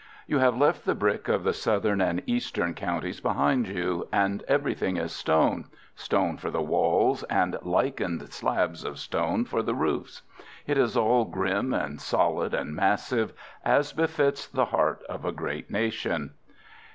You have left the brick of the southern and eastern counties behind you, and everything is stone—stone for the walls, and lichened slabs of stone for the roofs. It is all grim and solid and massive, as befits the heart of a great nation.